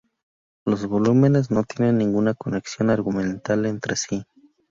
Los volúmenes no tienen ninguna conexión argumental entre sí.